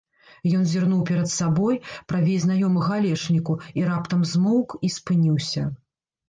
Ён зірнуў перад сабой, правей знаёмага алешніку, і раптам змоўк і спыніўся.